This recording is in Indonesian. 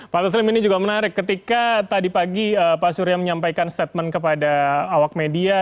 pak taslim ini juga menarik ketika tadi pagi pak surya menyampaikan statement kepada awak media